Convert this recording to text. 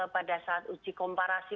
pada saat uji komparasi